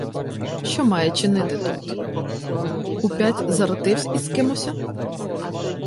— Що має чинити тут? Уп'ять заративсь із кимося?